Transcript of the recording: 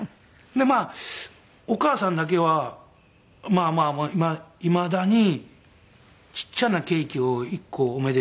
でまあお母さんだけはいまだにちっちゃなケーキを１個「おめでとう」って。